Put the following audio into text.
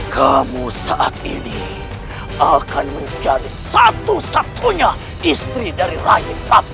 kamu saat ini akan menjadi satu satunya istri dari rai trapu siliwangi sang pemangku